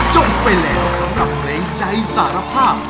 จบไปแล้วสำหรับเพลงใจสารภาพ